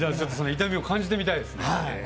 痛みを感じてみたいですね。